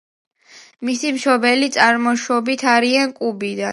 მისი მშობლები წარმოშობით არიან კუბიდან.